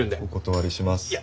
お断りします。